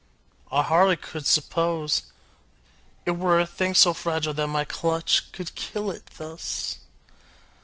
I hardly could suppose It were a thing so fragile that my clutch Could kill it, thus.